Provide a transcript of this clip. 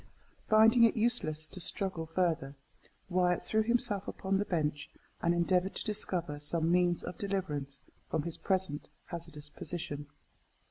Finding it useless to struggle further, Wyat threw himself upon the bench, and endeavoured to discover some means of deliverance from his present hazardous position.